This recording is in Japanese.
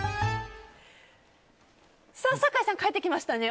酒井さん、帰ってきましたね。